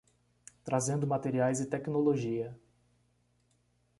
Trazendo materiais e tecnologia